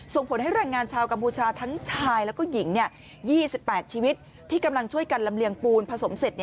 ส่งผลให้แรงงานชาวกัมพูชาทั้งชายแล้วก็หญิง๒๘ชีวิตที่กำลังช่วยกันลำเลียงปูนผสมเสร็จ